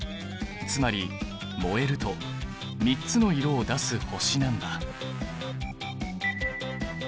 つまり燃えると３つの色を出す星なんだ。